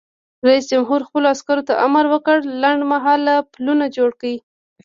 رئیس جمهور خپلو عسکرو ته امر وکړ؛ لنډمهاله پلونه جوړ کړئ!